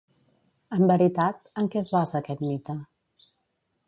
En veritat, en què es basa aquest mite?